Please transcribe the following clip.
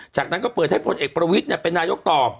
จากนั้นก็เปิดให้พลเอกประวิทย์เป็นนายกต่อ